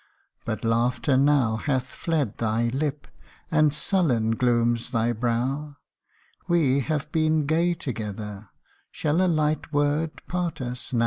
But laughter now hath fled thy lip, And sullen glooms thy brow ; We have been gay together Shall a light word part us now